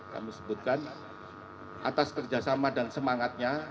kami sebutkan atas kerjasama dan semangatnya